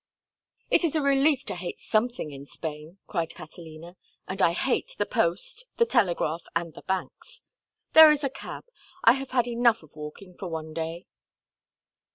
"It is a relief to hate something in Spain," cried Catalina. "And I hate the post, the telegraph, and the banks. There is a cab. I have had enough of walking for one day."